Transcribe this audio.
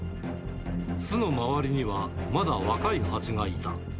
巣の周りにはまだ若いハチがいた。